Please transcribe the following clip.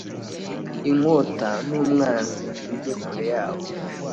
inkota n'umwanzi nibijye kure yabo